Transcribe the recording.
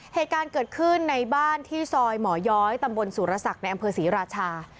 เหตุการณ์เกิดขึ้นในบ้านที่ซอยหมอย้อยตำบลสุรศักดิ์ในอำเภอศรีราชา